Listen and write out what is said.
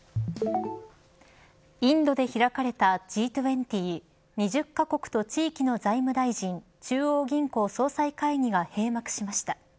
インドで開かれたＧ２０２０か国と地域の財務大臣中央銀行総裁会議が閉幕しました。